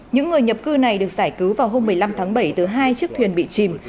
những người nhập cư này được giải cứu vào hôm một mươi năm tháng bảy từ hai chiếc thuyền bị chìm